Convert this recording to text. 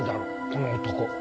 この男。